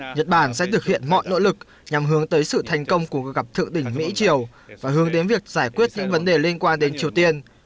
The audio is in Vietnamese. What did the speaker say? nhật bản sẽ thực hiện mọi nỗ lực nhằm hướng tới sự thành công của gặp thượng đỉnh mỹ triều và hướng đến việc giải quyết những vấn đề liên quan đến triều tiên